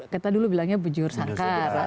kita dulu bilangnya bejur sangkar